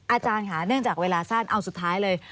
อาจารย์ค่ะเนื่องจากเวลาสั้นเอาสุดท้ายเลย